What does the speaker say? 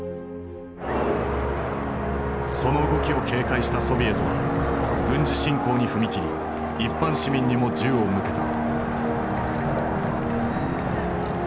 その動きを警戒したソビエトは軍事侵攻に踏み切り一般市民にも銃を向けた。